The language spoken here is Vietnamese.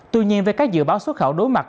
tuy nhiên với các dự báo xuất khẩu đối mặt